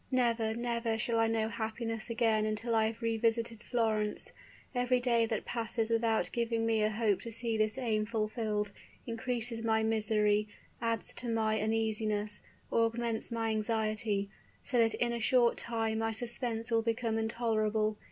"Never, never shall I know happiness again until I have revisited Florence. Each day that passes without giving me a hope to see this aim fulfilled, increases my misery, adds to my uneasiness, augments my anxiety so that in a short time my suspense will become intolerable.